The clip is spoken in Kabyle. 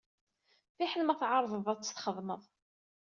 Fiḥel ma tɛerḍeḍ ad t-txedmeḍ.